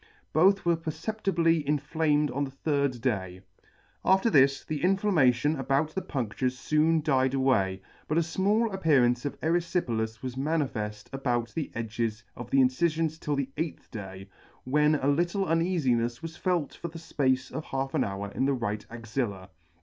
Both were perceptibly inflamed on the third day. After this the inflammation about the pun6tures foon died away, but a fmall appearance of eryfipelas was manifeft about the edges of the incifions till the eighth day, when C 19 ] when a little uneafinefs was felt for the fpace of half an hour in the right axilla.